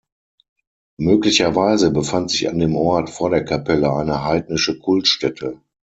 Möglicherweise befand sich an dem Ort vor der Kapelle eine heidnische Kultstätte.